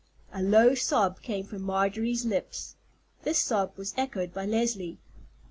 A low sob came from Marjorie's lips. This sob was echoed by Leslie.